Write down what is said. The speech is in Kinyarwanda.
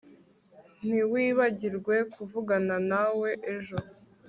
Ntiwibagirwe kuvugana nawe ejo